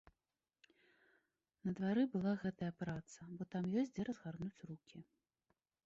На двары была гэтая праца, бо там ёсць дзе разгарнуць рукі.